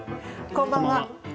こんばんは。